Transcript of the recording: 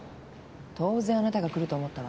当然あなたが来ると思ったわ。